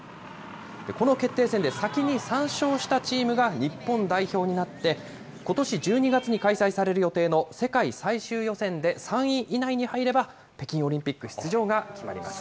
この決定戦で先に３勝したチームが日本代表になって、ことし１２月に開催される予定の世界最終予選で３位以内に入れば、北京オリンピック出場が決まります。